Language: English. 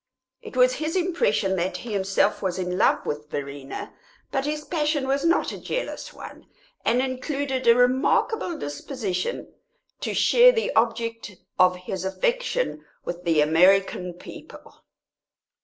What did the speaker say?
It was his impression that he himself was in love with Verena, but his passion was not a jealous one, and included a remarkable disposition to share the object of his affection with the American people.